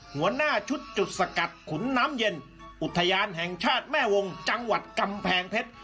หัวหน้าชุดจุดสกัดขุนน้ำเย็นอุทยานแห่งชาติแม่วงจังหวัดกำแพงเพชร